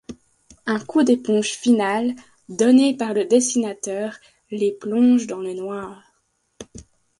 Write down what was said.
Un coup d'éponge final, donné par le dessinateur, les plonge dans le noir.